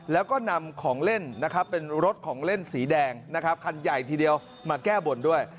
แล้วก็นำของเล่นเป็นรถของเล่นสีแดงคันใหญ่ทีเดียวมาแก้บนด้วย